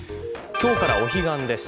今日からお彼岸です。